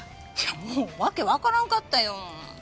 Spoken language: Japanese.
もう訳わからんかったよ。